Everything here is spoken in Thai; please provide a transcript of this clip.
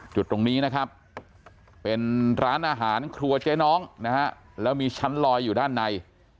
จุดตรงนี้นะครับเป็นร้านอาหารครัวเจ๊น้องนะฮะแล้วมีชั้นลอยอยู่ด้านใน